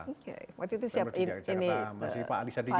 oke waktu itu siap ini pak ali sadikin ya